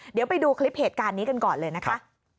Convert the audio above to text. เดี๋ยวไปดูคลิปเหตุการณ์นี้กันก่อนเลยนะคะ